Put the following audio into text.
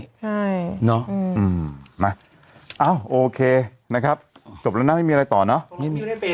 ใช่เนาะมาเอ้าโอเคนะครับจบแล้วนะไม่มีอะไรต่อเนอะ